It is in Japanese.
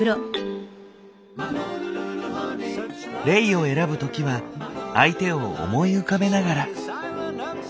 レイを選ぶ時は相手を思い浮かべながら。